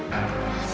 kamu jadi nangis